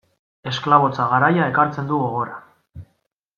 Esklabotza garaia ekartzen du gogora.